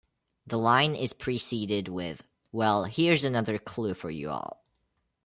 The line is preceded with "Well, here's another clue for you all".